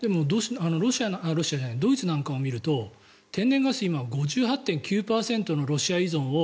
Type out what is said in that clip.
でもドイツなんかを見ると天然ガス今、５８．９％のロシア依存を